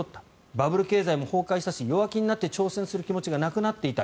バブル経済も崩壊したし弱気になって挑戦する気持ちがなくなっていた